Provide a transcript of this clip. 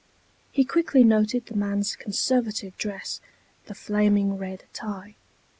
He quickly noted the man's conservative dress, the flaming red tie.